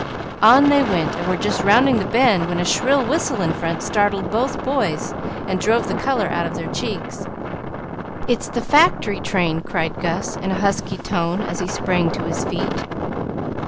On they went, and were just rounding the bend when a shrill whistle in front startled both boys, and drove the color out of their cheeks. "It's the factory train!" cried Gus, in a husky tone, as he sprang to his feet.